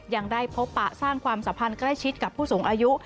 ยังได้พบปะสร้างความสัมพันธ์ใกล้ชิดกับผู้สูงอายุ